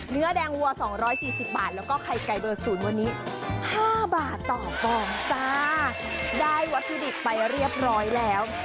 เนื้อแดงวัว๒๔๐บาทแล้วก็ไข่ไก่เบอร์ศูนย์วันนี้๕บาทต่อปองตาได้วัคดิกไปเรียบร้อยแล้ว